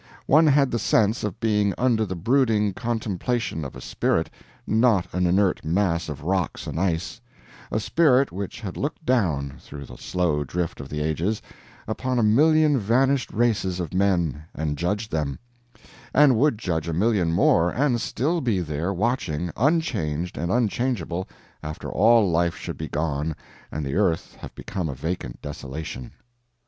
One had the sense of being under the brooding contemplation of a spirit, not an inert mass of rocks and ice a spirit which had looked down, through the slow drift of the ages, upon a million vanished races of men, and judged them; and would judge a million more and still be there, watching, unchanged and unchangeable, after all life should be gone and the earth have become a vacant desolation.